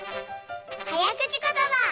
はやくちことば。